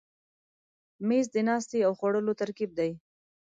مېز د ناستې او خوړلو ترکیب دی.